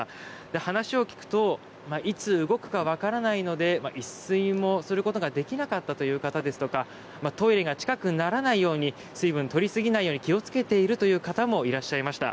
話を聞くと、いつ動くか分からないので一睡もすることができなかったという方ですとかトイレが近くならないように水分を取りすぎないように気を付けているという方もいらっしゃいました。